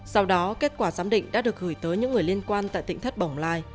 sau đó kết quả giám định đã được gửi tới những người liên quan tại tỉnh thất bồng lai